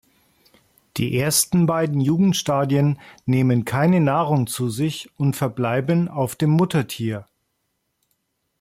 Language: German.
Die ersten beiden Jugendstadien nehmen keine Nahrung zu sich und verbleiben auf dem Muttertier.